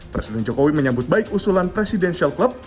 presiden jokowi menyebut baik usulan presiden shell club